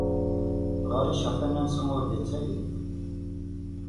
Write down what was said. Ɣer yicerfan ansi ur d-ttalin.